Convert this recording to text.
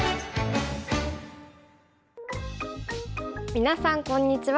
皆さんこんにちは。